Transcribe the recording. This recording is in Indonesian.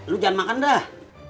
lu jangan makan dah